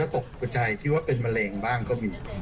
ตกใจที่ว่าเป็นมะเร็งบ้างก็มี